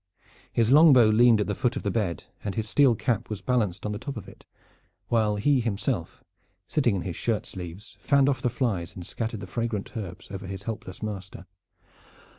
His longbow leaned at the foot of the bed, and his steel cap was balanced on the top of it, while he himself, sitting in his shirt sleeves, fanned off the flies and scattered the fragrant herbs over his helpless master.